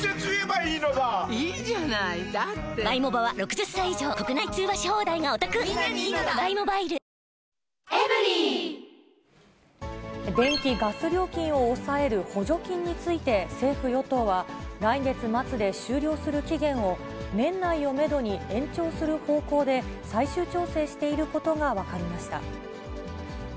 いいじゃないだって電気・ガス料金を抑える補助金について、政府・与党は、来月末で終了する期限を、年内をメドに延長する方向で、最終調整していることが分かりました。